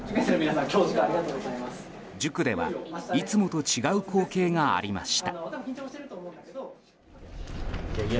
塾ではいつもと違う光景がありました。